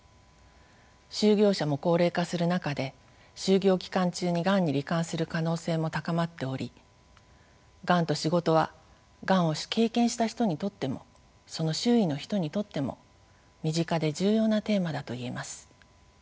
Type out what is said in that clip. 就業者も高齢化する中で就業期間中にがんに罹患する可能性も高まっておりがんと仕事はがんを経験した人にとってもその周囲の人にとっても身近で重要なテーマだと言えます。